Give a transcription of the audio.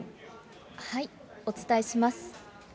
お伝えします。